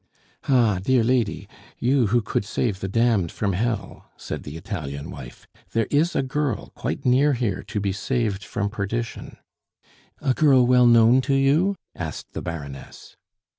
"Ah, dear lady, you who could save the damned from hell!" said the Italian wife, "there is a girl quite near here to be saved from perdition." "A girl well known to you?" asked the Baroness.